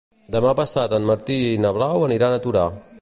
Demà passat en Martí i na Blau aniran a Torà.